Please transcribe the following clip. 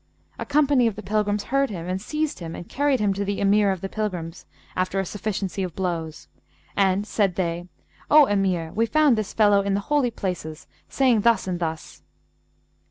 A company of the pilgrims heard him and seized him and carried him to the Emir of the pilgrims, after a sufficiency of blows; and, said they, 'O Emir, we found this fellow in the Holy Places, saying thus and thus.'